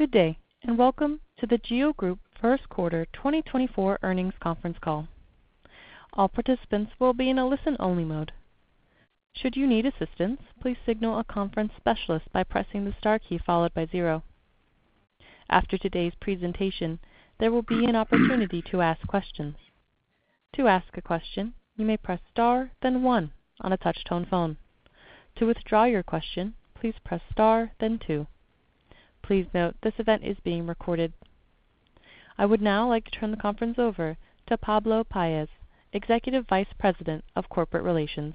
Good day and welcome to The GEO Group first quarter 2024 earnings conference call. All participants will be in a listen-only mode. Should you need assistance, please signal a conference specialist by pressing the star key followed by 0. After today's presentation, there will be an opportunity to ask questions. To ask a question, you may press star, then 1 on a touch-tone phone. To withdraw your question, please press star, then 2. Please note this event is being recorded. I would now like to turn the conference over to Pablo Paez, Executive Vice President of Corporate Relations.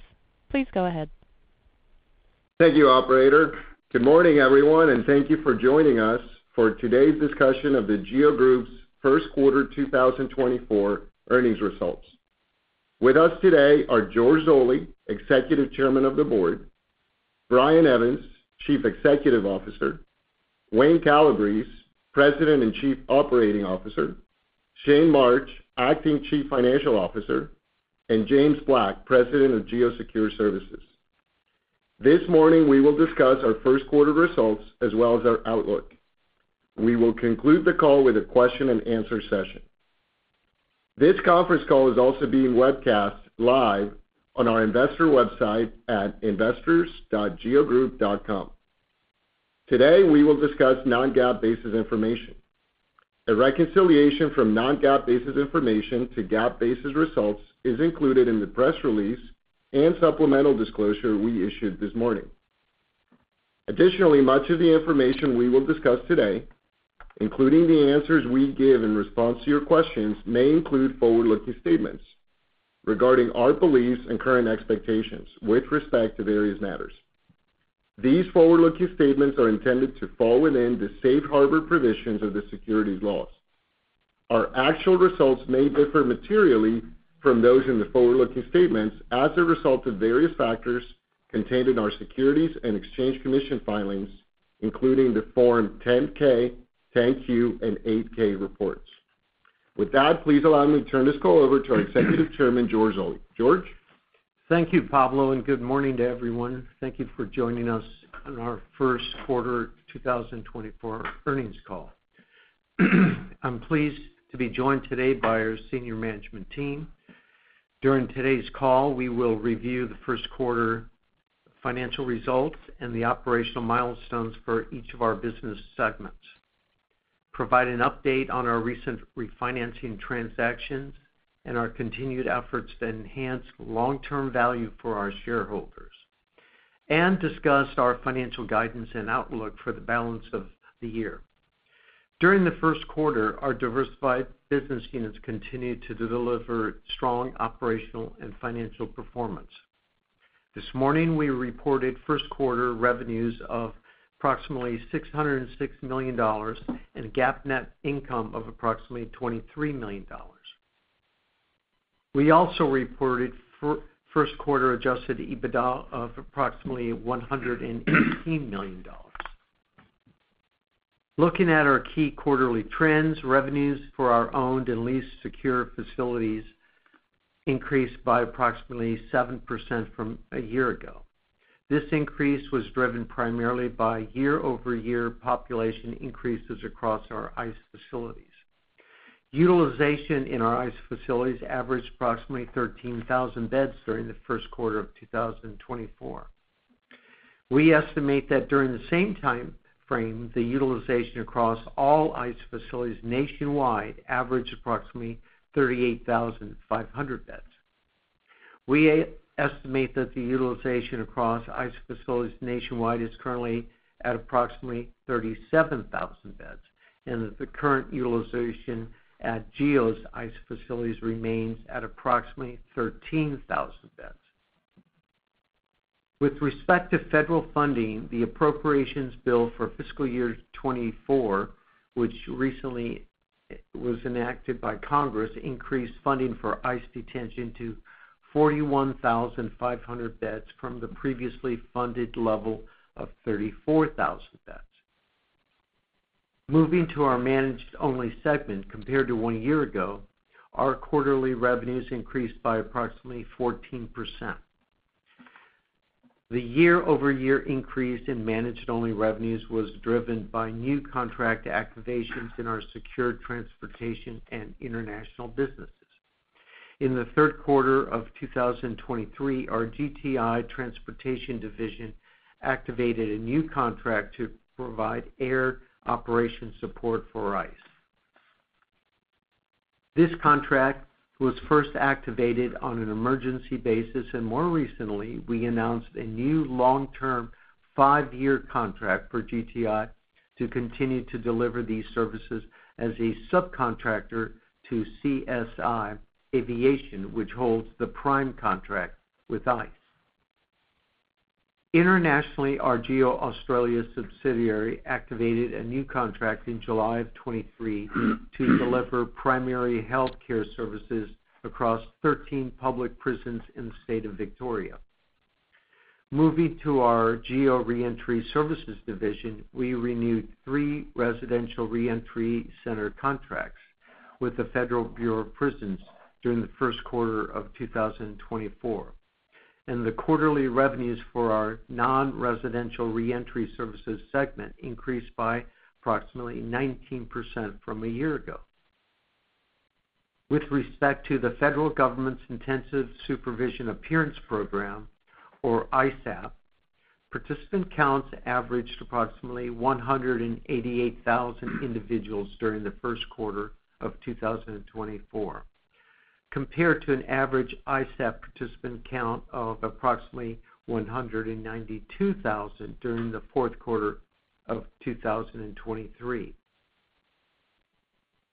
Please go ahead. Thank you, Operator. Good morning, everyone, and thank you for joining us for today's discussion of the GEO Group's first quarter 2024 earnings results. With us today are George Zoley, Executive Chairman of the Board; Brian Evans, Chief Executive Officer; Wayne Calabrese, President and Chief Operating Officer; Shayn March, Acting Chief Financial Officer; and James Black, President of GEO Secure Services. This morning we will discuss our first quarter results as well as our outlook. We will conclude the call with a question-and-answer session. This conference call is also being webcast live on our investor website at investors.geogroup.com. Today we will discuss non-GAAP-based information. A reconciliation from non-GAAP-based information to GAAP-based results is included in the press release and supplemental disclosure we issued this morning. Additionally, much of the information we will discuss today, including the answers we give in response to your questions, may include forward-looking statements regarding our beliefs and current expectations with respect to various matters. These forward-looking statements are intended to fall within the safe harbor provisions of the securities laws. Our actual results may differ materially from those in the forward-looking statements as a result of various factors contained in our Securities and Exchange Commission filings, including the Form 10-K, 10-Q, and 8-K reports. With that, please allow me to turn this call over to our Executive Chairman, George Zoley. George? Thank you, Pablo, and good morning to everyone. Thank you for joining us on our first quarter 2024 earnings call. I'm pleased to be joined today by our senior management team. During today's call, we will review the first quarter financial results and the operational milestones for each of our business segments, provide an update on our recent refinancing transactions and our continued efforts to enhance long-term value for our shareholders, and discuss our financial guidance and outlook for the balance of the year. During the first quarter, our diversified business units continued to deliver strong operational and financial performance. This morning we reported first quarter revenues of approximately $606 million and GAAP net income of approximately $23 million. We also reported first quarter adjusted EBITDA of approximately $118 million. Looking at our key quarterly trends, revenues for our owned and leased secure facilities increased by approximately 7% from a year ago. This increase was driven primarily by year-over-year population increases across our ICE facilities. Utilization in our ICE facilities averaged approximately 13,000 beds during the first quarter of 2024. We estimate that during the same time frame, the utilization across all ICE facilities nationwide averaged approximately 38,500 beds. We estimate that the utilization across ICE facilities nationwide is currently at approximately 37,000 beds, and that the current utilization at GEO's ICE facilities remains at approximately 13,000 beds. With respect to federal funding, the Appropriations Bill for fiscal year 2024, which recently was enacted by Congress, increased funding for ICE detention to 41,500 beds from the previously funded level of 34,000 beds. Moving to our managed-only segment compared to one year ago, our quarterly revenues increased by approximately 14%. The year-over-year increase in managed-only revenues was driven by new contract activations in our secure transportation and international businesses. In the third quarter of 2023, our GTI Transportation Division activated a new contract to provide air operation support for ICE. This contract was first activated on an emergency basis, and more recently, we announced a new long-term five-year contract for GTI to continue to deliver these services as a subcontractor to CSI Aviation, which holds the prime contract with ICE. Internationally, our GEO Australia subsidiary activated a new contract in July of 2023 to deliver primary healthcare services across 13 public prisons in the state of Victoria. Moving to our GEO Reentry Services Division, we renewed three residential reentry center contracts with the Federal Bureau of Prisons during the first quarter of 2024, and the quarterly revenues for our non-residential reentry services segment increased by approximately 19% from a year ago. With respect to the Federal Government's Intensive Supervision Appearance Program, or ISAP, participant counts averaged approximately 188,000 individuals during the first quarter of 2024, compared to an average ISAP participant count of approximately 192,000 during the fourth quarter of 2023.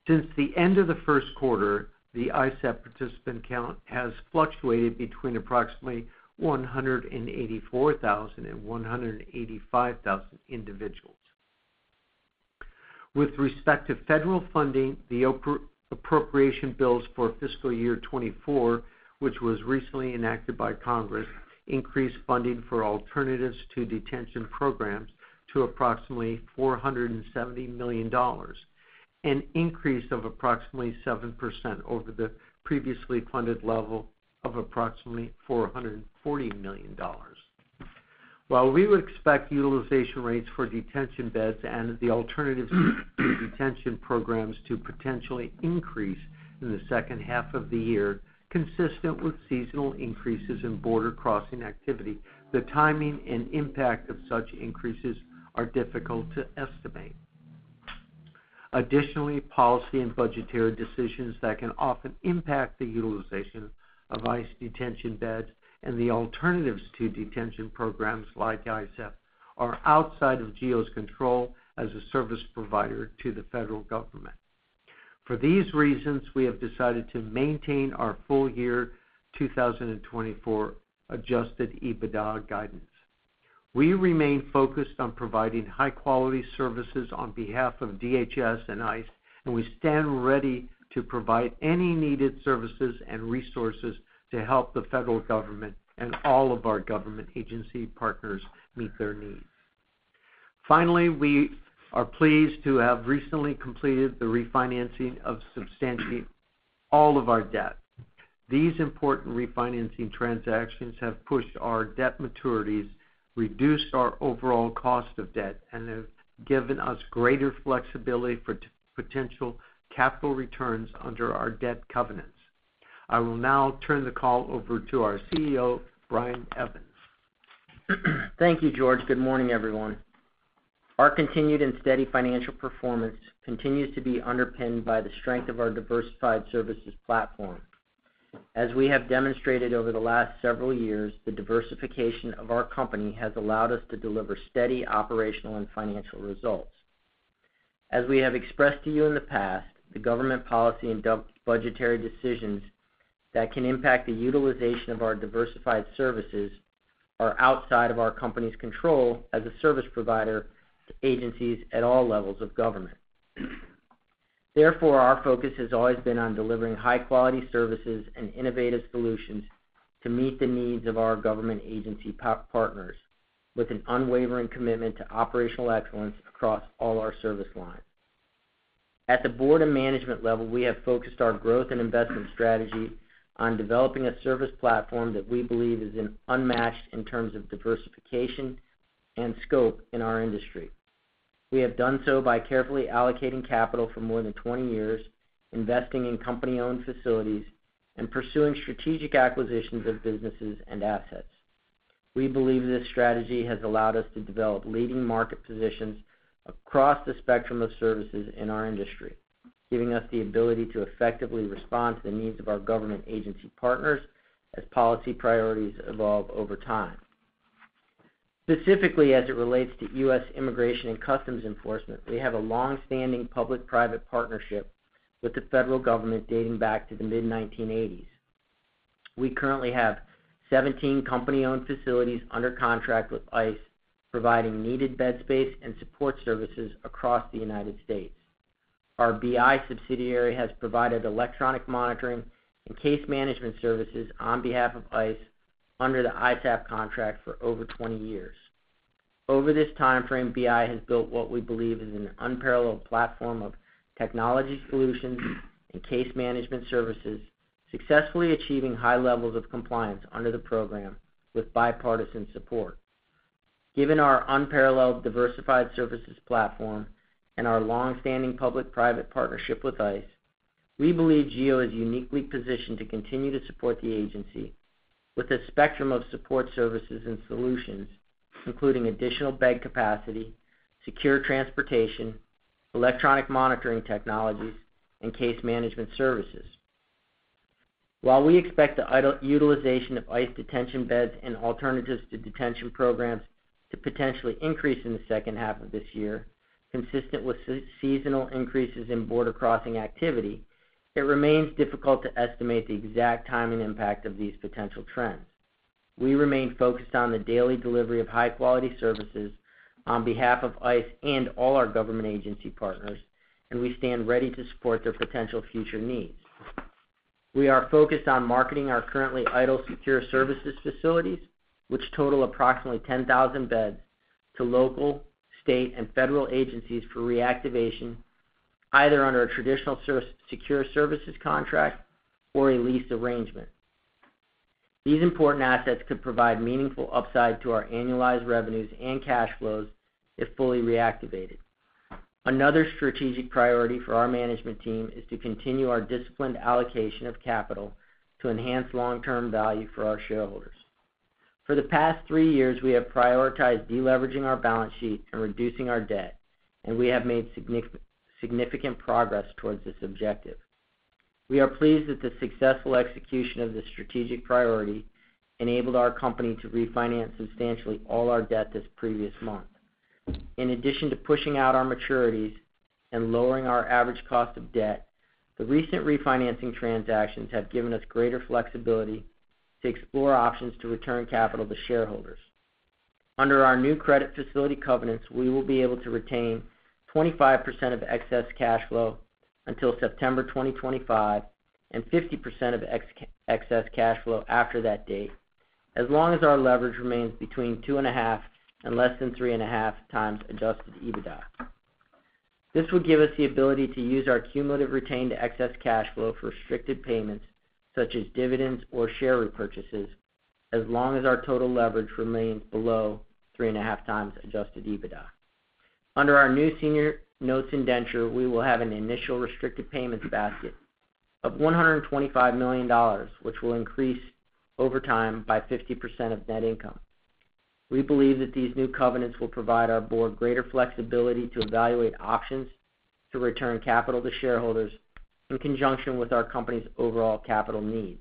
Since the end of the first quarter, the ISAP participant count has fluctuated between approximately 184,000 and 185,000 individuals. With respect to federal funding, the Appropriations Bill for fiscal year 2024, which was recently enacted by Congress, increased funding for Alternatives to Detention programs to approximately $470 million, an increase of approximately 7% over the previously funded level of approximately $440 million. While we would expect utilization rates for detention beds and the Alternatives to Detention programs to potentially increase in the second half of the year consistent with seasonal increases in border-crossing activity, the timing and impact of such increases are difficult to estimate. Additionally, policy and budgetary decisions that can often impact the utilization of ICE detention beds and the Alternatives to Detention programs like ISAP are outside of GEO's control as a service provider to the federal government. For these reasons, we have decided to maintain our full-year 2024 Adjusted EBITDA guidance. We remain focused on providing high-quality services on behalf of DHS and ICE, and we stand ready to provide any needed services and resources to help the federal government and all of our government agency partners meet their needs. Finally, we are pleased to have recently completed the refinancing of substantially all of our debt. These important refinancing transactions have pushed our debt maturities, reduced our overall cost of debt, and have given us greater flexibility for potential capital returns under our debt covenants. I will now turn the call over to our CEO, Brian Evans. Thank you, George. Good morning, everyone. Our continued and steady financial performance continues to be underpinned by the strength of our diversified services platform. As we have demonstrated over the last several years, the diversification of our company has allowed us to deliver steady operational and financial results. As we have expressed to you in the past, the government policy and budgetary decisions that can impact the utilization of our diversified services are outside of our company's control as a service provider to agencies at all levels of government. Therefore, our focus has always been on delivering high-quality services and innovative solutions to meet the needs of our government agency partners, with an unwavering commitment to operational excellence across all our service lines. At the board and management level, we have focused our growth and investment strategy on developing a service platform that we believe is unmatched in terms of diversification and scope in our industry. We have done so by carefully allocating capital for more than 20 years, investing in company-owned facilities, and pursuing strategic acquisitions of businesses and assets. We believe this strategy has allowed us to develop leading market positions across the spectrum of services in our industry, giving us the ability to effectively respond to the needs of our government agency partners as policy priorities evolve over time. Specifically, as it relates to U.S. Immigration and Customs Enforcement, we have a longstanding public-private partnership with the federal government dating back to the mid-1980s. We currently have 17 company-owned facilities under contract with ICE providing needed bed space and support services across the United States. Our BI subsidiary has provided electronic monitoring and case management services on behalf of ICE under the ISAP contract for over 20 years. Over this time frame, BI has built what we believe is an unparalleled platform of technology solutions and case management services, successfully achieving high levels of compliance under the program with bipartisan support. Given our unparalleled diversified services platform and our longstanding public-private partnership with ICE, we believe GEO is uniquely positioned to continue to support the agency with a spectrum of support services and solutions, including additional bed capacity, secure transportation, electronic monitoring technologies, and case management services. While we expect the utilization of ICE detention beds and Alternatives to Detention programs to potentially increase in the second half of this year consistent with seasonal increases in border-crossing activity, it remains difficult to estimate the exact timing impact of these potential trends. We remain focused on the daily delivery of high-quality services on behalf of ICE and all our government agency partners, and we stand ready to support their potential future needs. We are focused on marketing our currently idle secure services facilities, which total approximately 10,000 beds, to local, state, and federal agencies for reactivation, either under a traditional secure services contract or a lease arrangement. These important assets could provide meaningful upside to our annualized revenues and cash flows if fully reactivated. Another strategic priority for our management team is to continue our disciplined allocation of capital to enhance long-term value for our shareholders. For the past three years, we have prioritized deleveraging our balance sheet and reducing our debt, and we have made significant progress towards this objective. We are pleased that the successful execution of this strategic priority enabled our company to refinance substantially all our debt this previous month. In addition to pushing out our maturities and lowering our average cost of debt, the recent refinancing transactions have given us greater flexibility to explore options to return capital to shareholders. Under our new credit facility covenants, we will be able to retain 25% of excess cash flow until September 2025 and 50% of excess cash flow after that date, as long as our leverage remains between 2.5 and less than 3.5 times Adjusted EBITDA. This would give us the ability to use our cumulative retained excess cash flow for restricted payments such as dividends or share repurchases, as long as our total leverage remains below 3.5 times Adjusted EBITDA. Under our new senior notes indenture, we will have an initial restricted payments basket of $125 million, which will increase over time by 50% of net income. We believe that these new covenants will provide our board greater flexibility to evaluate options to return capital to shareholders in conjunction with our company's overall capital needs.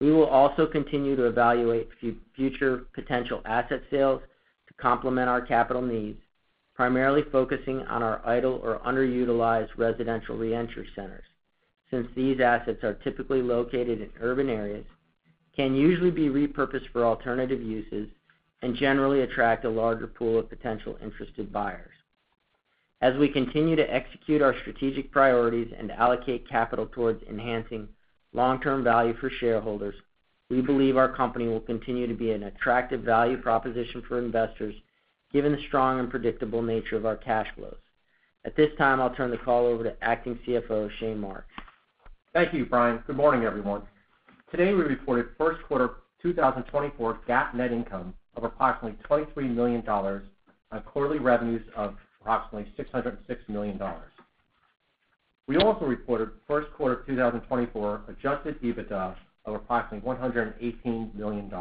We will also continue to evaluate future potential asset sales to complement our capital needs, primarily focusing on our idle or underutilized residential reentry centers. Since these assets are typically located in urban areas, they can usually be repurposed for alternative uses and generally attract a larger pool of potential interested buyers. As we continue to execute our strategic priorities and allocate capital towards enhancing long-term value for shareholders, we believe our company will continue to be an attractive value proposition for investors, given the strong and predictable nature of our cash flows. At this time, I'll turn the call over to Acting CFO, Shayn March. Thank you, Brian. Good morning, everyone. Today, we reported first quarter 2024 GAAP net income of approximately $23 million and quarterly revenues of approximately $606 million. We also reported first quarter 2024 adjusted EBITDA of approximately $118 million.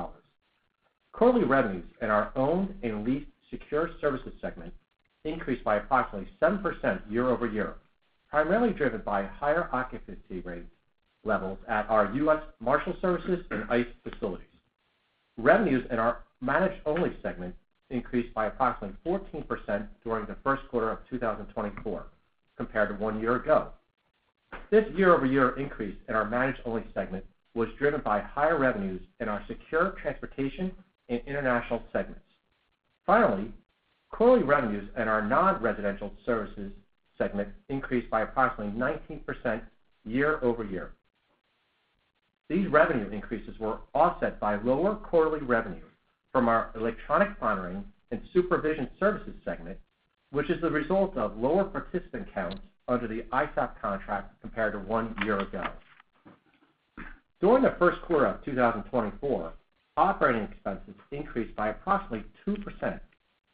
Quarterly revenues in our owned and leased secure services segment increased by approximately 7% year-over-year, primarily driven by higher occupancy rate levels at our U.S. Marshals Service and ICE facilities. Revenues in our managed-only segment increased by approximately 14% during the first quarter of 2024 compared to one year ago. This year-over-year increase in our managed-only segment was driven by higher revenues in our secure transportation and international segments. Finally, quarterly revenues in our non-residential services segment increased by approximately 19% year-over-year. These revenue increases were offset by lower quarterly revenue from our electronic monitoring and supervision services segment, which is the result of lower participant counts under the ISAP contract compared to one year ago. During the first quarter of 2024, operating expenses increased by approximately 2%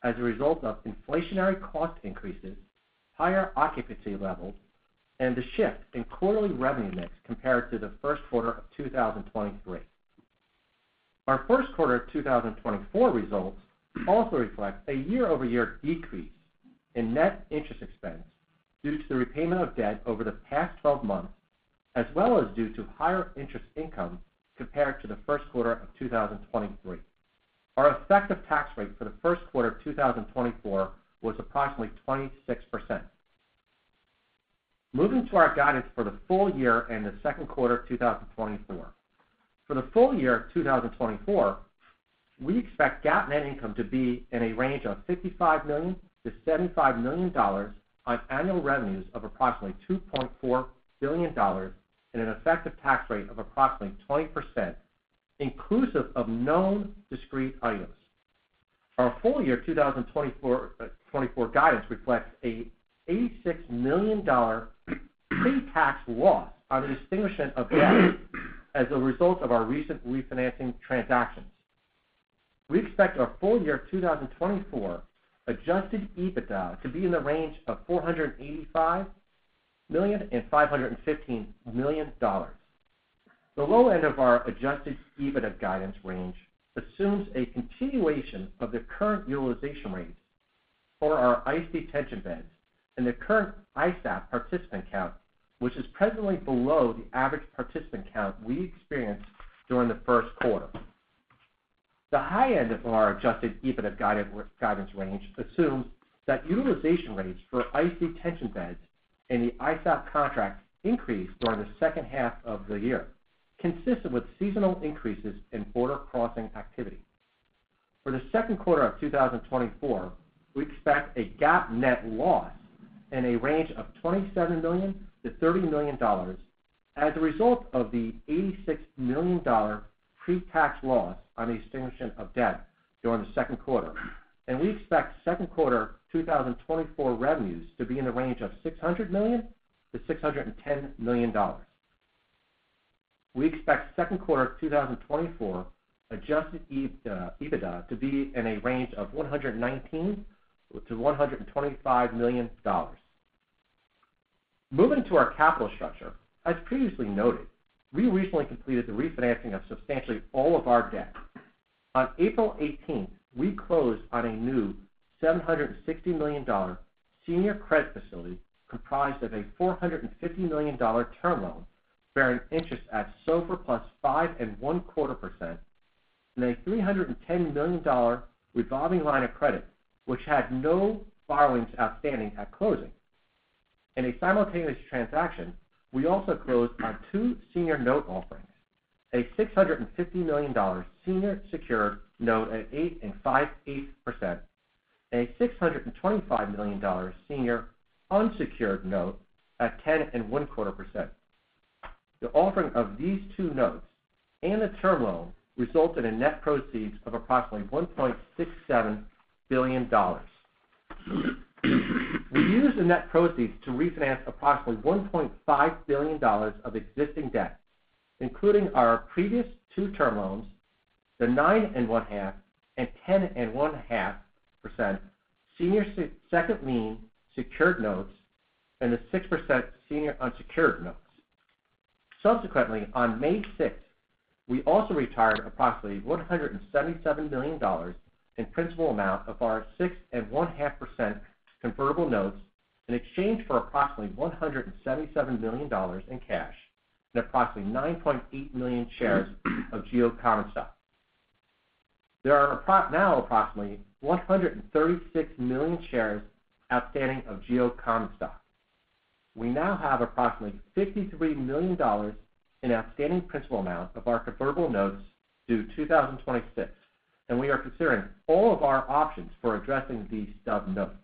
as a result of inflationary cost increases, higher occupancy levels, and the shift in quarterly revenue mix compared to the first quarter of 2023. Our first quarter 2024 results also reflect a year-over-year decrease in net interest expense due to the repayment of debt over the past 12 months, as well as due to higher interest income compared to the first quarter of 2023. Our effective tax rate for the first quarter 2024 was approximately 26%. Moving to our guidance for the full year and the second quarter 2024. For the full year 2024, we expect GAAP net income to be in a range of $55 million-$75 million on annual revenues of approximately $2.4 billion and an effective tax rate of approximately 20%, inclusive of known discrete items. Our full year 2024 guidance reflects an $86 million pre-tax loss on the extinguishment of debt as a result of our recent refinancing transactions. We expect our full year 2024 Adjusted EBITDA to be in the range of $485 million-$515 million. The low end of our Adjusted EBITDA guidance range assumes a continuation of the current utilization rates for our ICE detention beds and the current ISAP participant count, which is presently below the average participant count we experienced during the first quarter. The high end of our adjusted EBITDA guidance range assumes that utilization rates for ICE detention beds and the ISAP contract increase during the second half of the year, consistent with seasonal increases in border-crossing activity. For the second quarter of 2024, we expect a GAAP net loss in a range of $27 million-$30 million as a result of the $86 million pre-tax loss on the extinguishment of debt during the second quarter. We expect second quarter 2024 revenues to be in the range of $600 million-$610 million. We expect second quarter 2024 adjusted EBITDA to be in a range of $119 million-$125 million. Moving to our capital structure. As previously noted, we recently completed the refinancing of substantially all of our debt. On April 18th, we closed on a new $760 million senior credit facility comprised of a $450 million term loan bearing interest at SOFR plus 5.25% and a $310 million revolving line of credit, which had no borrowings outstanding at closing. In a simultaneous transaction, we also closed on two senior note offerings: a $650 million senior secured note at 8.625% and a $625 million senior unsecured note at 10.25%. The offering of these two notes and the term loan resulted in net proceeds of approximately $1.67 billion. We used the net proceeds to refinance approximately $1.5 billion of existing debt, including our previous two term loans, the 9.5% and 10.5% senior second lien secured notes and the 6% senior unsecured notes. Subsequently, on May 6th, we also retired approximately $177 million in principal amount of our 6.5% convertible notes in exchange for approximately $177 million in cash and approximately 9.8 million shares of GEO Common Stock. There are now approximately 136 million shares outstanding of GEO Common Stock. We now have approximately $53 million in outstanding principal amount of our convertible notes due 2026, and we are considering all of our options for addressing these stub notes.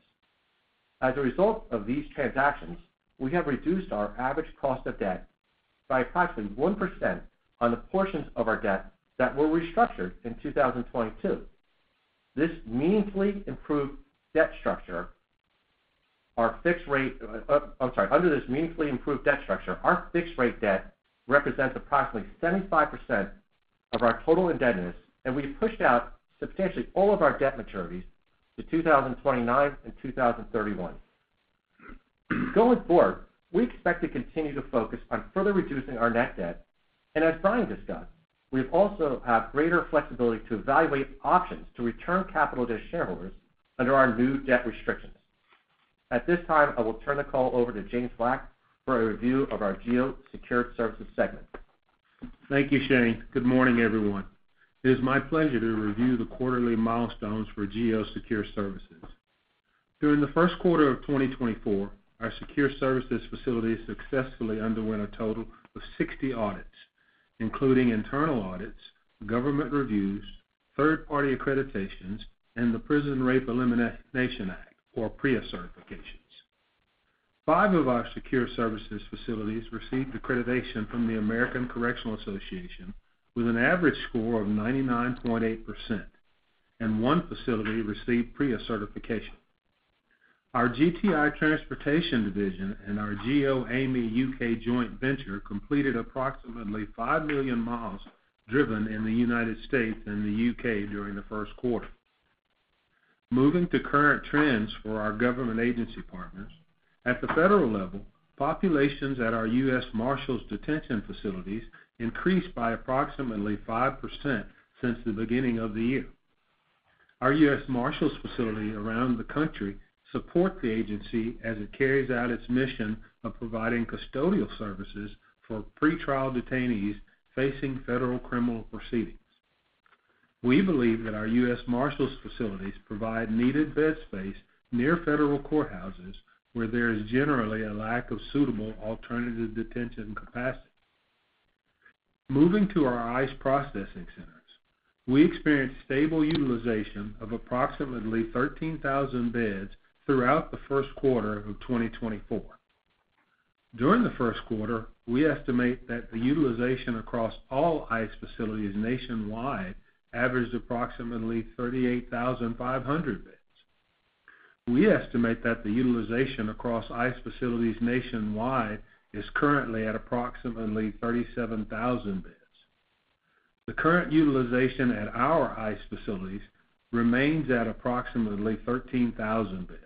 As a result of these transactions, we have reduced our average cost of debt by approximately 1% on the portions of our debt that were restructured in 2022. This meaningfully improved debt structure. Under this meaningfully improved debt structure, our fixed rate debt represents approximately 75% of our total indebtedness, and we pushed out substantially all of our debt maturities to 2029 and 2031. Going forward, we expect to continue to focus on further reducing our net debt. And as Brian discussed, we also have greater flexibility to evaluate options to return capital to shareholders under our new debt restrictions. At this time, I will turn the call over to James Black for a review of our GEO Secure Services segment. Thank you, Shayn. Good morning, everyone. It is my pleasure to review the quarterly milestones for GEO Secure Services. During the first quarter of 2024, our secure services facilities successfully underwent a total of 60 audits, including internal audits, government reviews, third-party accreditations, and the Prison Rape Elimination Act, or PREA certifications. Five of our secure services facilities received accreditation from the American Correctional Association with an average score of 99.8%, and one facility received PREA certification. Our GTI Transportation Division and our GEOAmey UK joint venture completed approximately 5 million miles driven in the United States and the U.K. during the first quarter. Moving to current trends for our government agency partners. At the federal level, populations at our U.S. Marshals detention facilities increased by approximately 5% since the beginning of the year. Our U.S. Marshals facility around the country supports the agency as it carries out its mission of providing custodial services for pretrial detainees facing federal criminal proceedings. We believe that our U.S. Marshals facilities provide needed bed space near federal courthouses where there is generally a lack of suitable alternative detention capacity. Moving to our ICE processing centers, we experienced stable utilization of approximately 13,000 beds throughout the first quarter of 2024. During the first quarter, we estimate that the utilization across all ICE facilities nationwide averaged approximately 38,500 beds. We estimate that the utilization across ICE facilities nationwide is currently at approximately 37,000 beds. The current utilization at our ICE facilities remains at approximately 13,000 beds.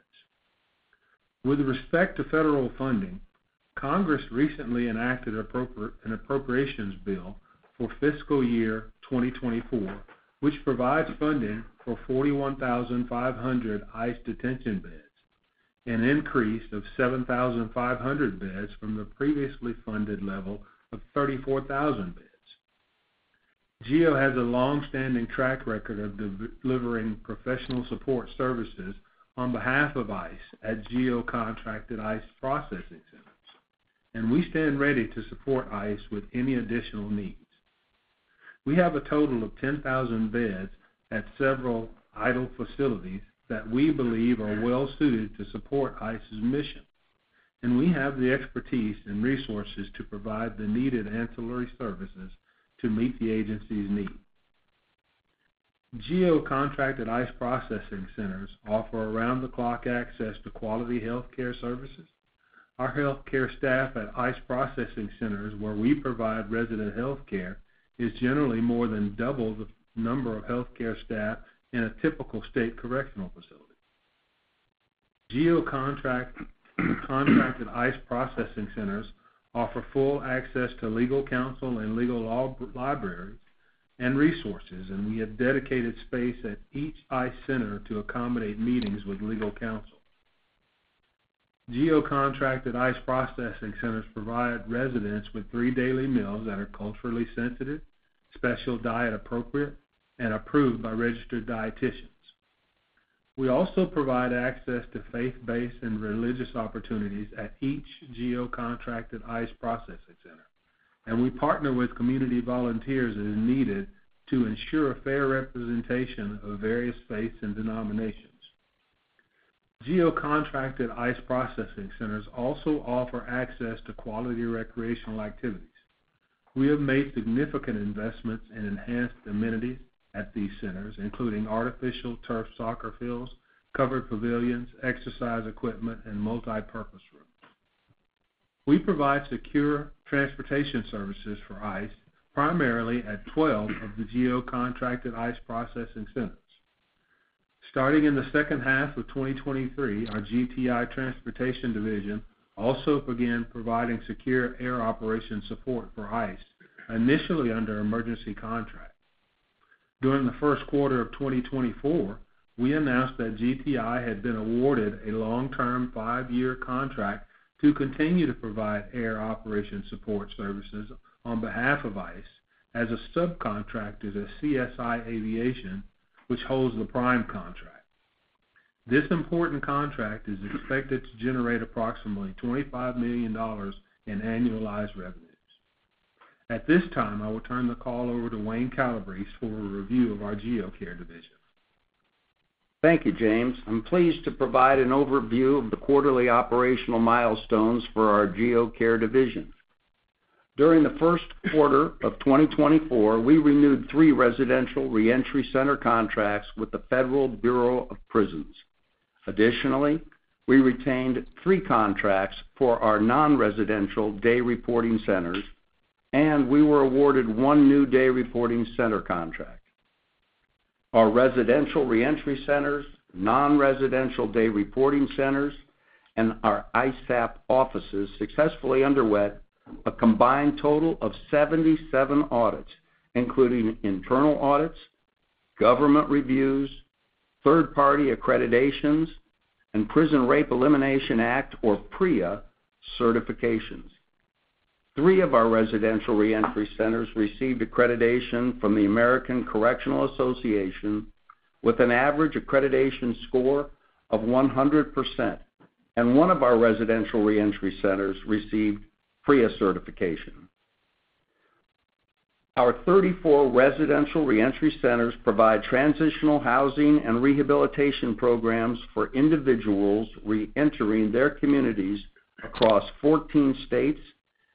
With respect to federal funding, Congress recently enacted an appropriations bill for fiscal year 2024, which provides funding for 41,500 ICE detention beds, an increase of 7,500 beds from the previously funded level of 34,000 beds. GEO has a longstanding track record of delivering professional support services on behalf of ICE at GEO contracted ICE processing centers, and we stand ready to support ICE with any additional needs. We have a total of 10,000 beds at several idle facilities that we believe are well-suited to support ICE's mission, and we have the expertise and resources to provide the needed ancillary services to meet the agency's needs. GEO contracted ICE processing centers offer around-the-clock access to quality healthcare services. Our healthcare staff at ICE processing centers, where we provide resident healthcare, is generally more than double the number of healthcare staff in a typical state correctional facility. GEO contracted ICE processing centers offer full access to legal counsel and legal libraries and resources, and we have dedicated space at each ICE center to accommodate meetings with legal counsel. GEO contracted ICE processing centers provide residents with three daily meals that are culturally sensitive, special diet appropriate, and approved by registered dietitians. We also provide access to faith-based and religious opportunities at each GEO contracted ICE processing center, and we partner with community volunteers as needed to ensure a fair representation of various faiths and denominations. GEO contracted ICE processing centers also offer access to quality recreational activities. We have made significant investments in enhanced amenities at these centers, including artificial turf soccer fields, covered pavilions, exercise equipment, and multipurpose rooms. We provide secure transportation services for ICE, primarily at 12 of the GEO contracted ICE processing centers. Starting in the second half of 2023, our GTI Transportation Division also began providing secure air operations support for ICE, initially under emergency contracts. During the first quarter of 2024, we announced that GTI had been awarded a long-term five-year contract to continue to provide air operations support services on behalf of ICE as a subcontractor to CSI Aviation, which holds the prime contract. This important contract is expected to generate approximately $25 million in annualized revenues. At this time, I will turn the call over to Wayne Calabrese for a review of our GEO Care Division. Thank you, James. I'm pleased to provide an overview of the quarterly operational milestones for our GEO Care Division. During the first quarter of 2024, we renewed three residential reentry center contracts with the Federal Bureau of Prisons. Additionally, we retained three contracts for our non-residential day reporting centers, and we were awarded one new day reporting center contract. Our residential reentry centers, non-residential day reporting centers, and our ISAP offices successfully underwent a combined total of 77 audits, including internal audits, government reviews, third-party accreditations, and Prison Rape Elimination Act, or PREA, certifications. Three of our residential reentry centers received accreditation from the American Correctional Association with an average accreditation score of 100%, and one of our residential reentry centers received PREA certification. Our 34 residential reentry centers provide transitional housing and rehabilitation programs for individuals reentering their communities across 14 states,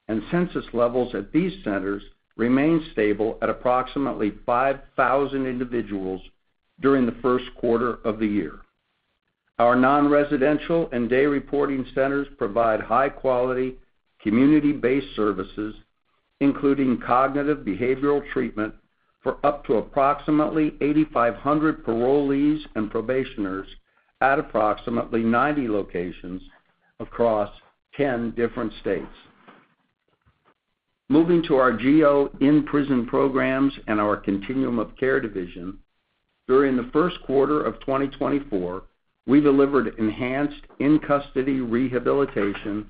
and census levels at these centers remain stable at approximately 5,000 individuals during the first quarter of the year. Our non-residential and day reporting centers provide high-quality community-based services, including cognitive behavioral treatment for up to approximately 8,500 parolees and probationers at approximately 90 locations across 10 different states. Moving to our GEO in-prison programs and our continuum of care division. During the first quarter of 2024, we delivered enhanced in-custody rehabilitation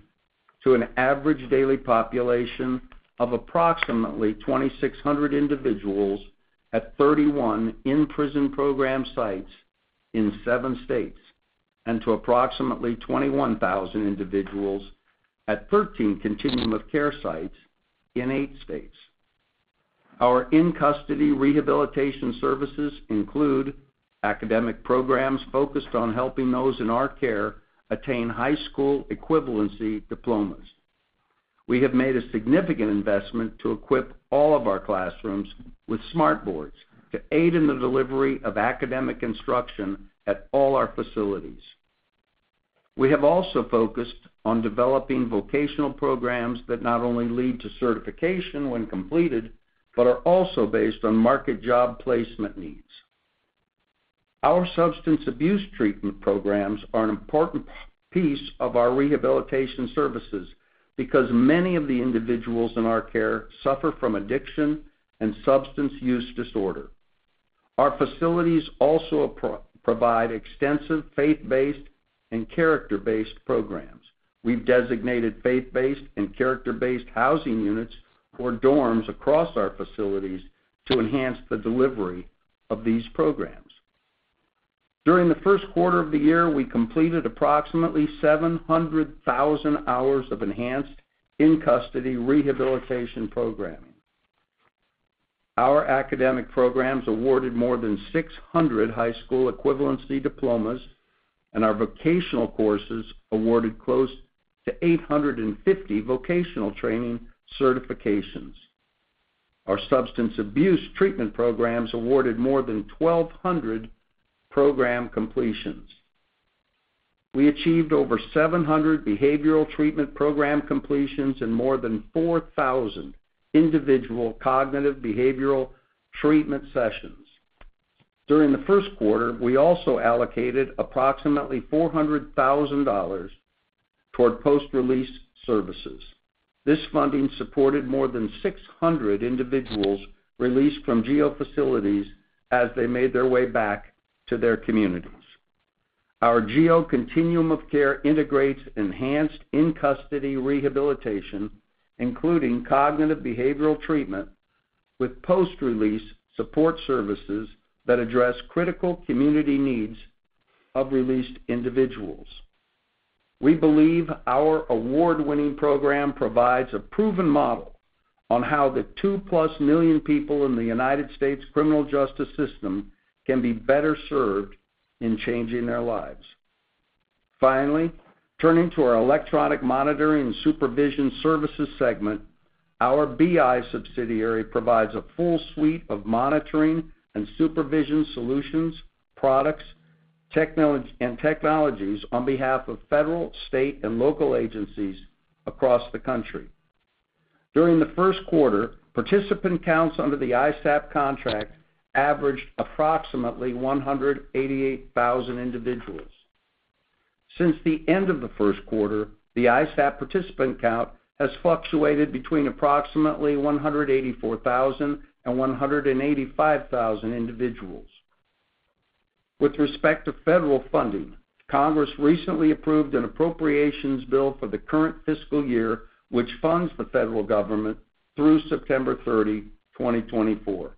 to an average daily population of approximately 2,600 individuals at 31 in-prison program sites in seven states and to approximately 21,000 individuals at 13 continuum of care sites in eight states. Our in-custody rehabilitation services include academic programs focused on helping those in our care attain high school equivalency diplomas. We have made a significant investment to equip all of our classrooms with smartboards to aid in the delivery of academic instruction at all our facilities. We have also focused on developing vocational programs that not only lead to certification when completed but are also based on market job placement needs. Our substance abuse treatment programs are an important piece of our rehabilitation services because many of the individuals in our care suffer from addiction and substance use disorder. Our facilities also provide extensive faith-based and character-based programs. We've designated faith-based and character-based housing units or dorms across our facilities to enhance the delivery of these programs. During the first quarter of the year, we completed approximately 700,000 hours of enhanced in-custody rehabilitation programming. Our academic programs awarded more than 600 high school equivalency diplomas, and our vocational courses awarded close to 850 vocational training certifications. Our substance abuse treatment programs awarded more than 1,200 program completions. We achieved over 700 behavioral treatment program completions and more than 4,000 individual cognitive behavioral treatment sessions. During the first quarter, we also allocated approximately $400,000 toward post-release services. This funding supported more than 600 individuals released from GEO facilities as they made their way back to their communities. Our GEO Continuum of Care integrates enhanced in-custody rehabilitation, including cognitive behavioral treatment, with post-release support services that address critical community needs of released individuals. We believe our award-winning program provides a proven model on how the 2+ million people in the United States criminal justice system can be better served in changing their lives. Finally, turning to our electronic monitoring and supervision services segment. Our BI subsidiary provides a full suite of monitoring and supervision solutions, products, and technologies on behalf of federal, state, and local agencies across the country. During the first quarter, participant counts under the ISAP contract averaged approximately 188,000 individuals. Since the end of the first quarter, the ISAP participant count has fluctuated between approximately 184,000 and 185,000 individuals. With respect to federal funding, Congress recently approved an appropriations bill for the current fiscal year, which funds the federal government through September 30, 2024.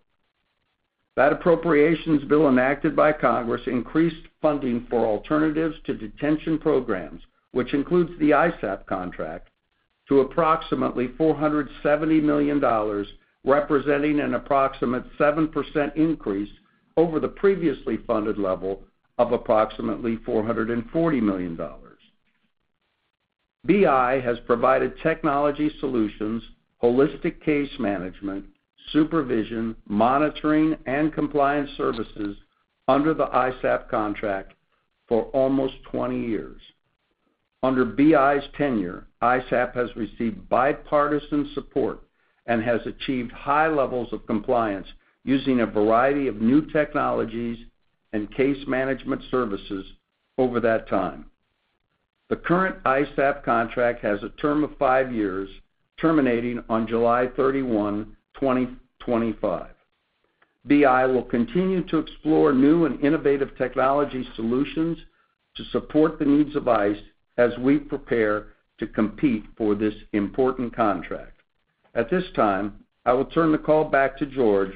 That appropriations bill enacted by Congress increased funding for Alternatives to Detention programs, which includes the ISAP contract, to approximately $470 million, representing an approximate 7% increase over the previously funded level of approximately $440 million. BI has provided technology solutions, holistic case management, supervision, monitoring, and compliance services under the ISAP contract for almost 20 years. Under BI's tenure, ISAP has received bipartisan support and has achieved high levels of compliance using a variety of new technologies and case management services over that time. The current ISAP contract has a term of five years, terminating on July 31, 2025. BI will continue to explore new and innovative technology solutions to support the needs of ICE as we prepare to compete for this important contract. At this time, I will turn the call back to George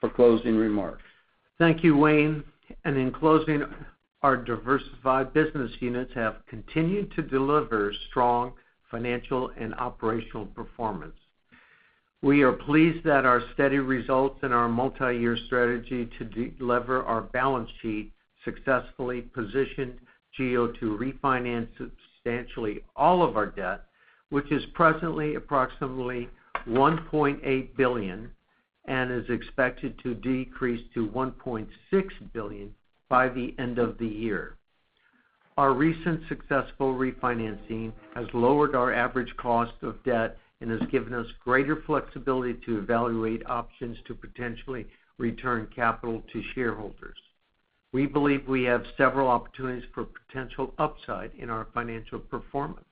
for closing remarks. Thank you, Wayne. And in closing, our diversified business units have continued to deliver strong financial and operational performance. We are pleased that our steady results in our multi-year strategy to deliver our balance sheet successfully positioned GEO to refinance substantially all of our debt, which is presently approximately $1.8 billion and is expected to decrease to $1.6 billion by the end of the year. Our recent successful refinancing has lowered our average cost of debt and has given us greater flexibility to evaluate options to potentially return capital to shareholders. We believe we have several opportunities for potential upside in our financial performance.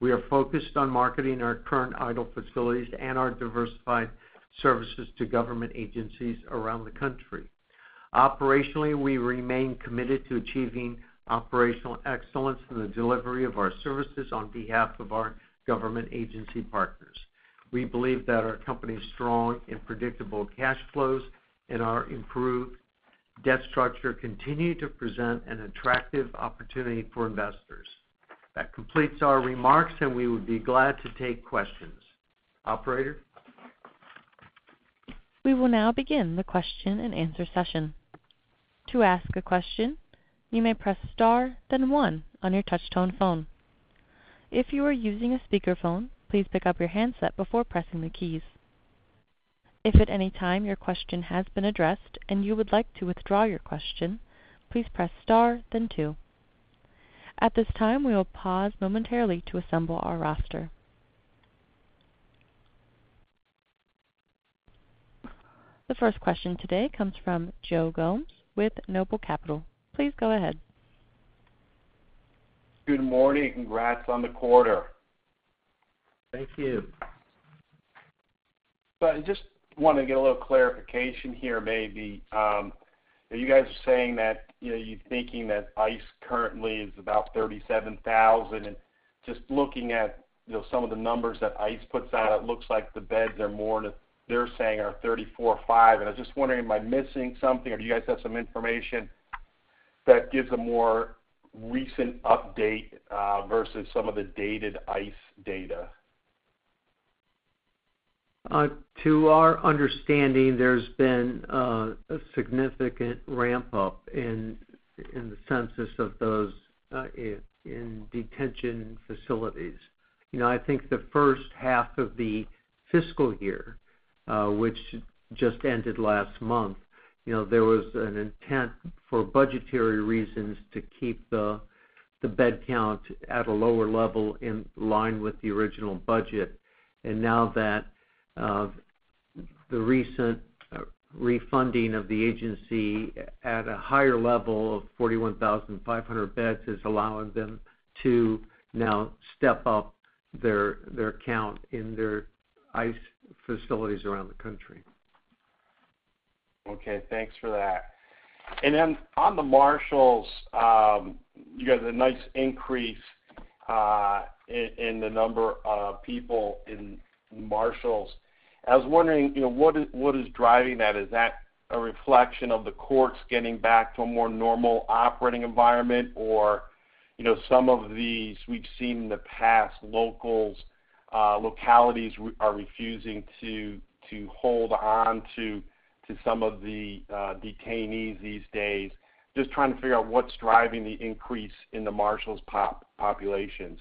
We are focused on marketing our current idle facilities and our diversified services to government agencies around the country. Operationally, we remain committed to achieving operational excellence in the delivery of our services on behalf of our government agency partners. We believe that our company's strong and predictable cash flows and our improved debt structure continue to present an attractive opportunity for investors. That completes our remarks, and we would be glad to take questions. Operator. We will now begin the question and answer session. To ask a question, you may press star, then one on your touch-tone phone. If you are using a speakerphone, please pick up your handset before pressing the keys. If at any time your question has been addressed and you would like to withdraw your question, please press star, then two. At this time, we will pause momentarily to assemble our roster. The first question today comes from Joe Gomes with Noble Capital. Please go ahead. Good morning. Congrats on the quarter. Thank you. So I just want to get a little clarification here, maybe. You guys are saying that you're thinking that ICE currently is about 37,000. And just looking at some of the numbers that ICE puts out, it looks like the beds are more they're saying are 34,000 or 35,000. And I'm just wondering, am I missing something, or do you guys have some information that gives a more recent update versus some of the dated ICE data? To our understanding, there's been a significant ramp-up in the census of those in detention facilities. I think the first half of the fiscal year, which just ended last month, there was an intent for budgetary reasons to keep the bed count at a lower level in line with the original budget. And now that the recent refunding of the agency at a higher level of 41,500 beds is allowing them to now step up their count in their ICE facilities around the country. Okay. Thanks for that. And then on the marshals, you guys had a nice increase in the number of people in marshals. I was wondering, what is driving that? Is that a reflection of the courts getting back to a more normal operating environment, or some of the we've seen in the past, localities are refusing to hold on to some of the detainees these days? Just trying to figure out what's driving the increase in the marshals' populations.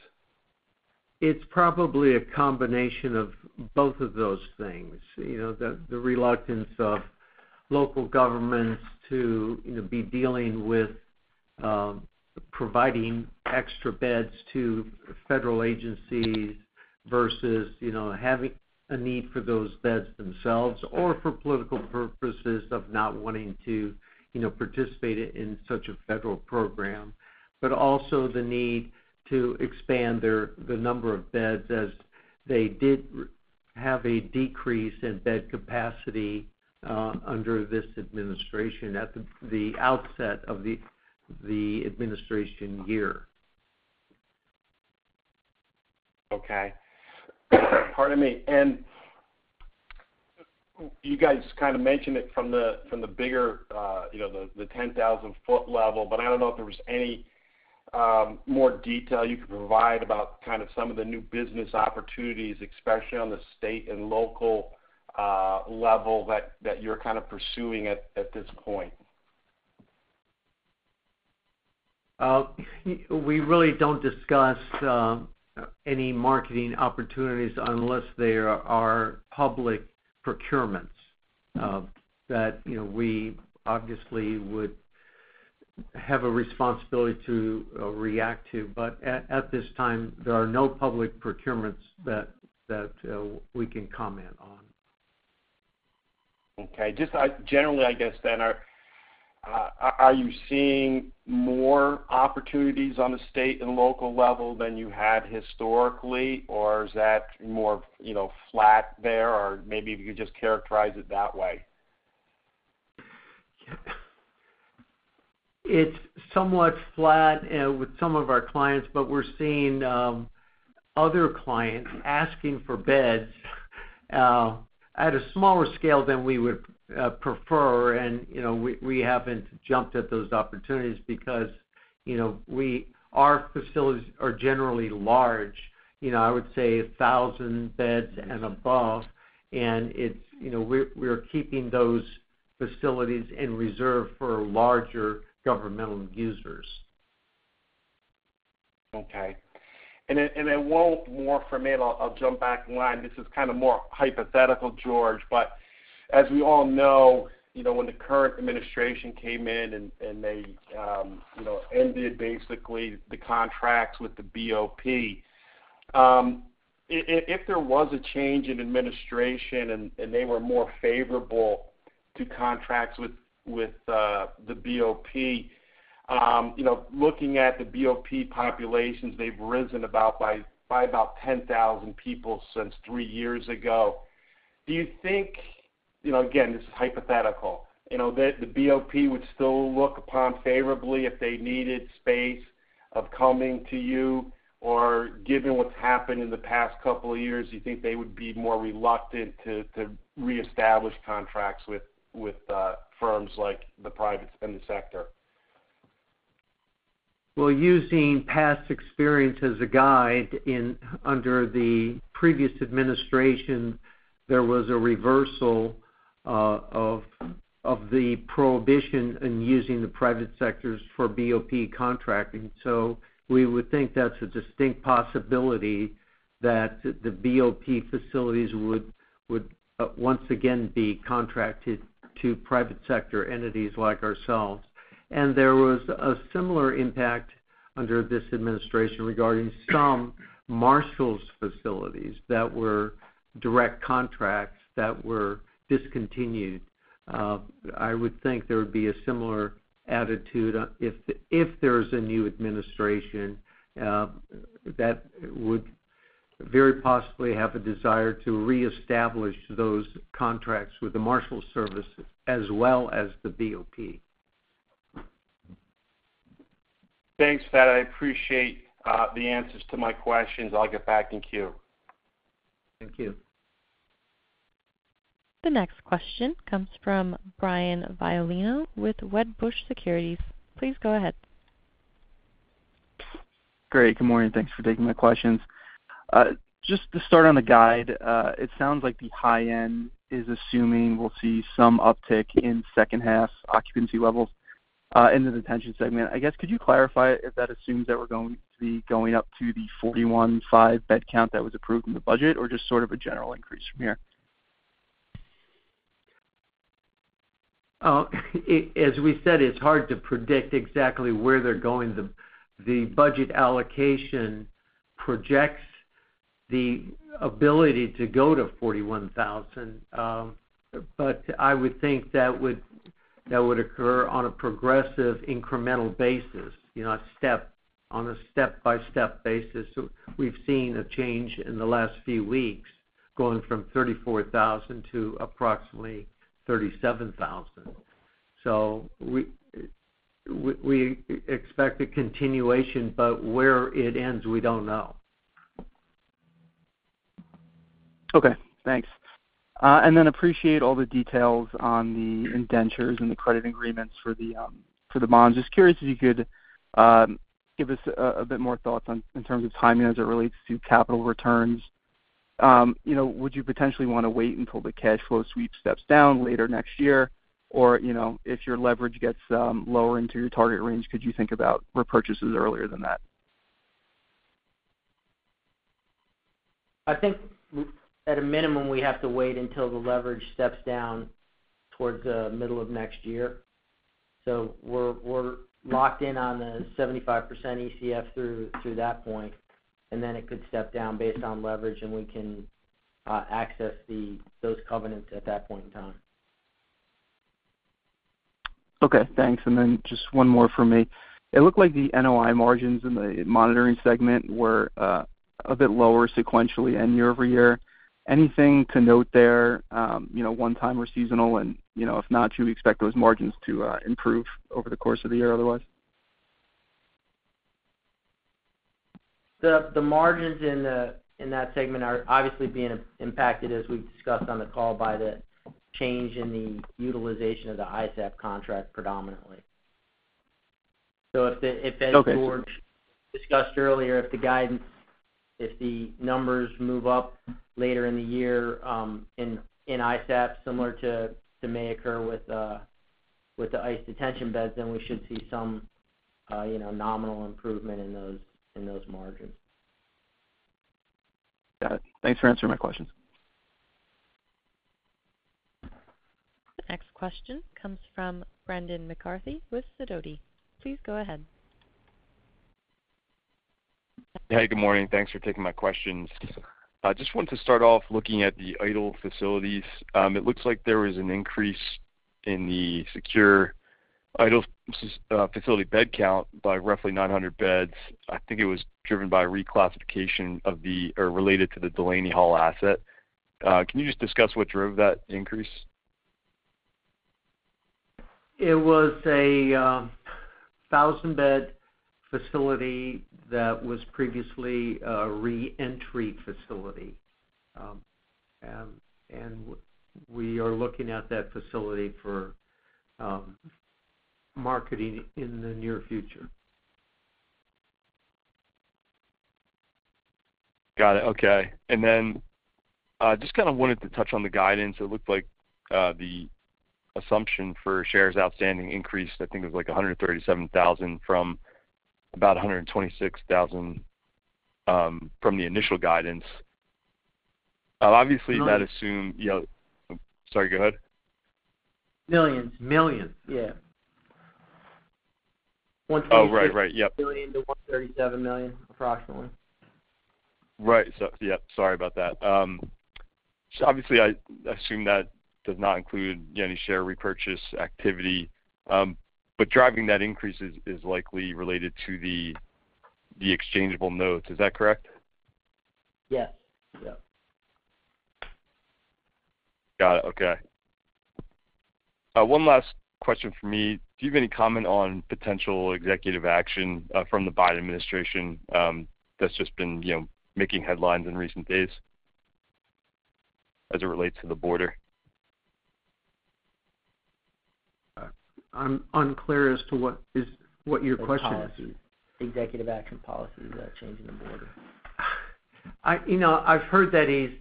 It's probably a combination of both of those things, the reluctance of local governments to be dealing with providing extra beds to federal agencies versus having a need for those beds themselves or for political purposes of not wanting to participate in such a federal program, but also the need to expand the number of beds as they did have a decrease in bed capacity under this administration at the outset of the administration year. Okay. Pardon me. You guys kind of mentioned it from the bigger, the 10,000-foot level, but I don't know if there was any more detail you could provide about kind of some of the new business opportunities, especially on the state and local level that you're kind of pursuing at this point. We really don't discuss any marketing opportunities unless they are public procurements that we obviously would have a responsibility to react to. At this time, there are no public procurements that we can comment on. Okay. Just generally, I guess, then, are you seeing more opportunities on the state and local level than you had historically, or is that more flat there, or maybe if you could just characterize it that way? It's somewhat flat with some of our clients, but we're seeing other clients asking for beds at a smaller scale than we would prefer. We haven't jumped at those opportunities because our facilities are generally large, I would say 1,000 beds and above. We're keeping those facilities in reserve for larger governmental users. Okay. And then one more from me. And I'll jump back in line. This is kind of more hypothetical, George. But as we all know, when the current administration came in and they ended, basically, the contracts with the BOP, if there was a change in administration and they were more favorable to contracts with the BOP, looking at the BOP populations, they've risen by about 10,000 people since three years ago. Do you think, again, this is hypothetical, that the BOP would still look upon you favorably if they needed space or coming to you? Or given what's happened in the past couple of years, do you think they would be more reluctant to reestablish contracts with firms like the private prison sector? Well, using past experience as a guide, under the previous administration, there was a reversal of the prohibition in using the private sectors for BOP contracting. So we would think that's a distinct possibility that the BOP facilities would once again be contracted to private sector entities like ourselves. And there was a similar impact under this administration regarding some marshals' facilities that were direct contracts that were discontinued. I would think there would be a similar attitude. If there is a new administration, that would very possibly have a desire to reestablish those contracts with the Marshals Service as well as the BOP. Thanks, Pat. I appreciate the answers to my questions. I'll get back in queue. Thank you. The next question comes from Brian Violino with Wedbush Securities. Please go ahead. Great. Good morning. Thanks for taking my questions. Just to start on the guide, it sounds like the high-end is assuming we'll see some uptick in second-half occupancy levels in the detention segment. I guess, could you clarify if that assumes that we're going to be going up to the 41,500 bed count that was approved in the budget, or just sort of a general increase from here? As we said, it's hard to predict exactly where they're going. The budget allocation projects the ability to go to 41,000, but I would think that would occur on a progressive incremental basis, on a step-by-step basis. We've seen a change in the last few weeks going from 34,000 to approximately 37,000. So we expect a continuation, but where it ends, we don't know. Okay. Thanks. And then appreciate all the details on the indentures and the credit agreements for the bonds. Just curious if you could give us a bit more thoughts in terms of timing as it relates to capital returns. Would you potentially want to wait until the cash flow sweep steps down later next year? Or if your leverage gets lower into your target range, could you think about repurchases earlier than that? I think, at a minimum, we have to wait until the leverage steps down towards the middle of next year. So we're locked in on the 75% ECF through that point, and then it could step down based on leverage, and we can access those covenants at that point in time. Okay. Thanks. And then just one more from me. It looked like the NOI margins in the monitoring segment were a bit lower sequentially and year-over-year. Anything to note there, one-time or seasonal? And if not, do you expect those margins to improve over the course of the year otherwise? The margins in that segment are obviously being impacted, as we've discussed on the call, by the change in the utilization of the ISAP contract predominantly. So as George discussed earlier, if the numbers move up later in the year in ISAP, similar to may occur with the ICE detention beds, then we should see some nominal improvement in those margins. Got it. Thanks for answering my questions. The next question comes from Brendan McCarthy with Sidoti. Please go ahead. Hey. Good morning. Thanks for taking my questions. I just wanted to start off looking at the idle facilities. It looks like there was an increase in the secure idle facility bed count by roughly 900 beds. I think it was driven by reclassification related to the Delaney Hall asset. Can you just discuss what drove that increase? It was a 1,000-bed facility that was previously a reentry facility. We are looking at that facility for marketing in the near future. Got it. Okay. And then I just kind of wanted to touch on the guidance. It looked like the assumption for shares outstanding increased, I think it was like 137,000 from about 126,000 from the initial guidance. Obviously, that assumed, sorry. Go ahead. Yeah. $136 million. Oh, right. Right. Yep. Million to $137 million, approximately. Right. Yep. Sorry about that. Obviously, I assume that does not include any share repurchase activity. But driving that increase is likely related to the exchangeable notes. Is that correct? Yes. Yep. Got it. Okay. One last question from me. Do you have any comment on potential executive action from the Biden administration that's just been making headlines in recent days as it relates to the border? I'm unclear as to what your question is. Executive action policies changing the border? I've heard that he's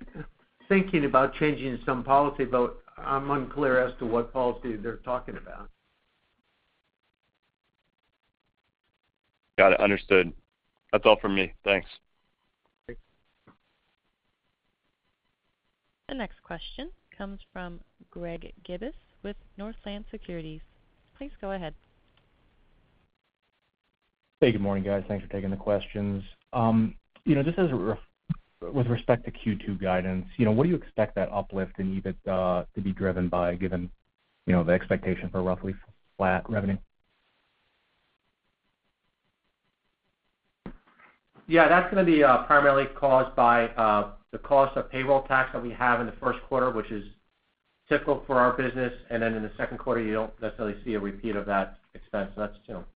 thinking about changing some policy, but I'm unclear as to what policy they're talking about. Got it. Understood. That's all from me. Thanks. The next question comes from Greg Gibas with Northland Securities. Please go ahead. Hey. Good morning, guys. Thanks for taking the questions. Just with respect to Q2 guidance, what do you expect that uplift in EBITDA to be driven by, given the expectation for roughly flat revenue? Yeah. That's going to be primarily caused by the cost of payroll tax that we have in the first quarter, which is typical for our business. Then in the second quarter, you don't necessarily see a repeat of that expense. That's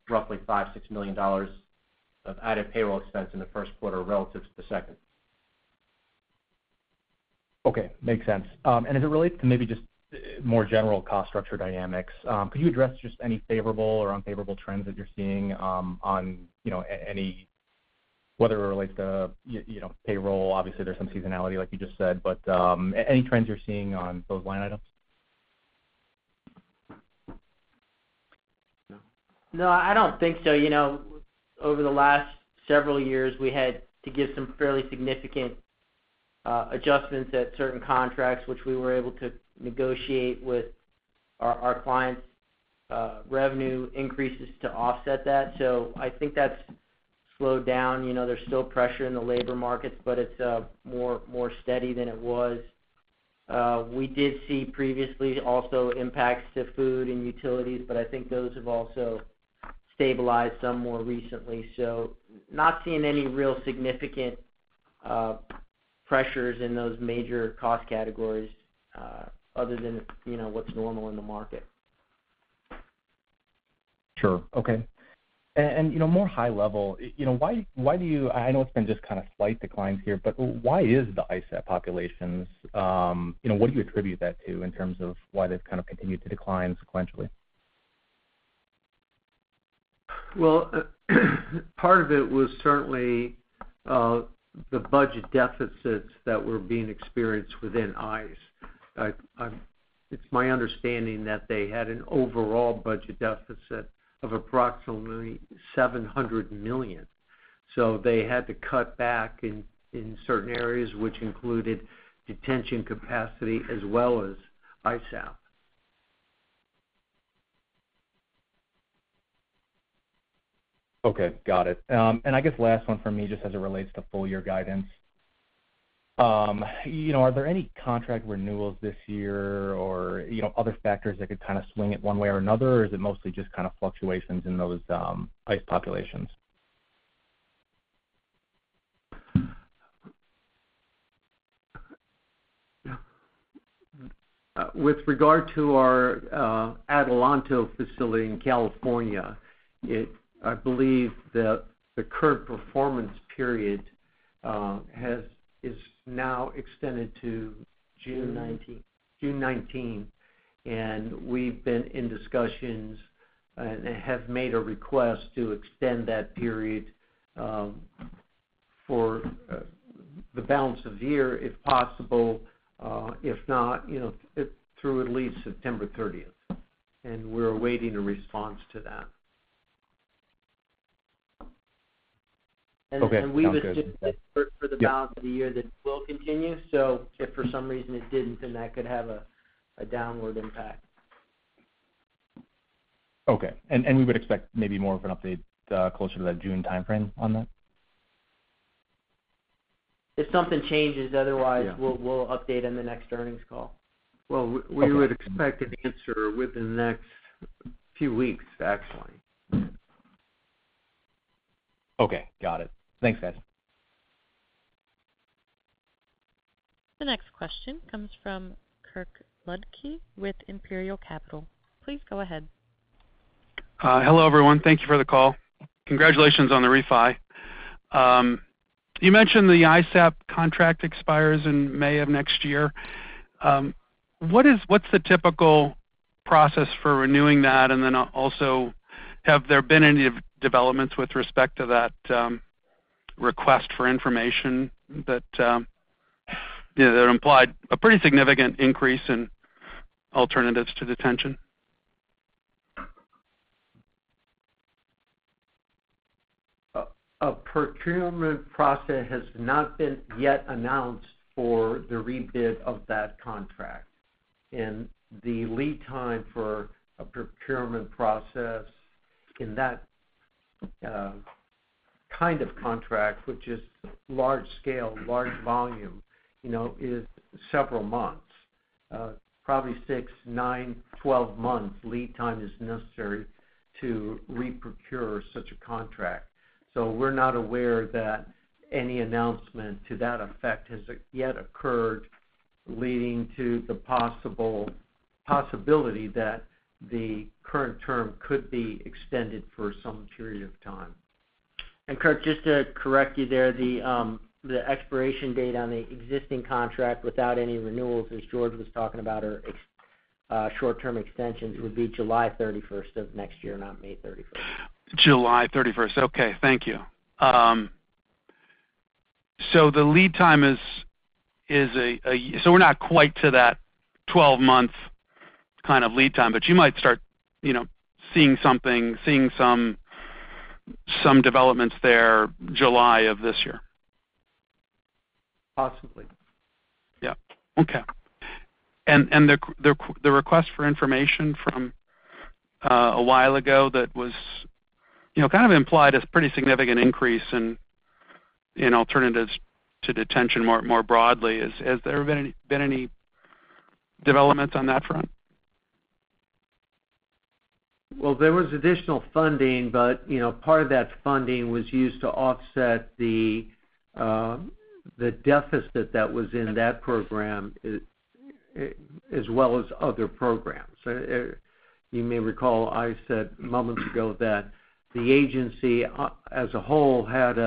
roughly $5-$6 million of added payroll expense in the first quarter relative to the second. Okay. Makes sense. And as it relates to maybe just more general cost structure dynamics, could you address just any favorable or unfavorable trends that you're seeing on any whether it relates to payroll obviously, there's some seasonality, like you just said, but any trends you're seeing on those line items? No. I don't think so. Over the last several years, we had to give some fairly significant adjustments at certain contracts, which we were able to negotiate with our clients' revenue increases to offset that. So I think that's slowed down. There's still pressure in the labor markets, but it's more steady than it was. We did see previously also impacts to food and utilities, but I think those have also stabilized some more recently. So not seeing any real significant pressures in those major cost categories other than what's normal in the market. Sure. Okay. And more high-level, why do you, I know it's been just kind of slight declines here, but why is the ISAP populations? What do you attribute that to in terms of why they've kind of continued to decline sequentially? Well, part of it was certainly the budget deficits that were being experienced within ICE. It's my understanding that they had an overall budget deficit of approximately $700 million. They had to cut back in certain areas, which included detention capacity as well as ISAP. Okay. Got it. And I guess last one from me just as it relates to full-year guidance. Are there any contract renewals this year or other factors that could kind of swing it one way or another, or is it mostly just kind of fluctuations in those ICE populations? With regard to our Adelanto facility in California, I believe that the current performance period is now extended to June 19th. We've been in discussions and have made a request to extend that period for the balance of year, if possible. If not, through at least September 30th. We're awaiting a response to that. We would expect for the balance of the year that it will continue. So if for some reason it didn't, then that could have a downward impact. Okay. And we would expect maybe more of an update closer to that June timeframe on that? If something changes, otherwise, we'll update in the next earnings call. Well, we would expect an answer within the next few weeks, actually. Okay. Got it. Thanks, guys. The next question comes from Kirk Ludtke with Imperial Capital. Please go ahead. Hello, everyone. Thank you for the call. Congratulations on the refi. You mentioned the ISAP contract expires in May of next year. What's the typical process for renewing that? And then also, have there been any developments with respect to that request for information that implied a pretty significant increase in Alternatives to Detention? A procurement process has not been yet announced for the rebid of that contract. The lead time for a procurement process in that kind of contract, which is large-scale, large volume, is several months, probably 6, 9, 12 months lead time is necessary to reprocure such a contract. We're not aware that any announcement to that effect has yet occurred, leading to the possibility that the current term could be extended for some period of time. Kirk, just to correct you there, the expiration date on the existing contract without any renewals, as George was talking about, or short-term extensions, would be July 31st of next year, not May 31st. July 31st. Okay. Thank you. So the lead time is, so we're not quite to that 12-month kind of lead time, but you might start seeing some developments there July of this year. Possibly. Yeah. Okay. And the request for information from a while ago that was kind of implied as pretty significant increase in alternatives to detention more broadly, has there been any developments on that front? Well, there was additional funding, but part of that funding was used to offset the deficit that was in that program as well as other programs. You may recall I said moments ago that the agency as a whole had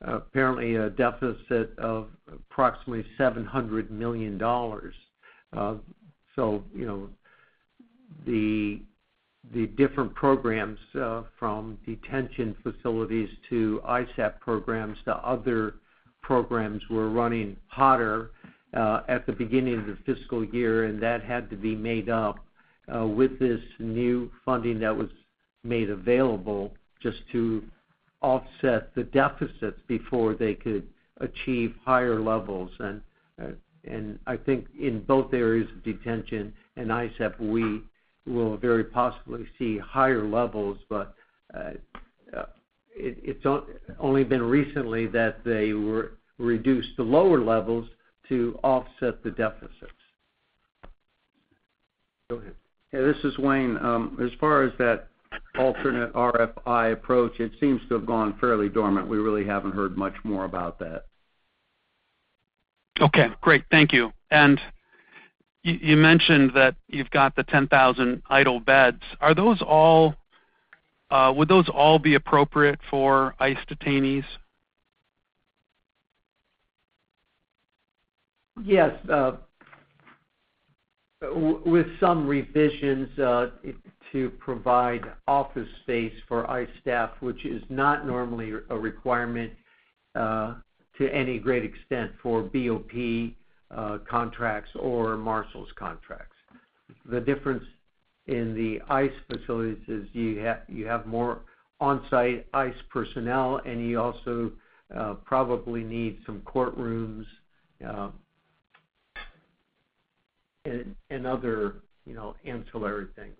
apparently a deficit of approximately $700 million. So the different programs from detention facilities to ISAP programs to other programs were running hotter at the beginning of the fiscal year, and that had to be made up with this new funding that was made available just to offset the deficits before they could achieve higher levels. And I think in both areas of detention and ISAP, we will very possibly see higher levels, but it's only been recently that they reduced the lower levels to offset the deficits. Go ahead. Hey. This is Wayne. As far as that alternate RFI approach, it seems to have gone fairly dormant. We really haven't heard much more about that. Okay. Great. Thank you. And you mentioned that you've got the 10,000 idle beds. Would those all be appropriate for ICE detainees? Yes. With some revisions to provide office space for ICE staff, which is not normally a requirement to any great extent for BOP contracts or Marshals' contracts. The difference in the ICE facilities is you have more on-site ICE personnel, and you also probably need some courtrooms and other ancillary things.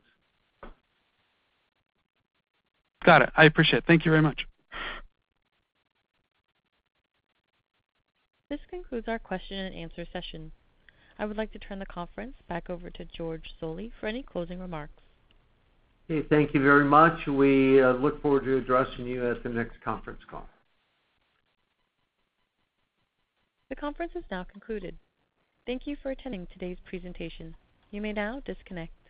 Got it. I appreciate it. Thank you very much. This concludes our question-and-answer session. I would like to turn the conference back over to George Zoley for any closing remarks. Hey. Thank you very much. We look forward to addressing you at the next conference call. The conference is now concluded. Thank you for attending today's presentation. You may now disconnect.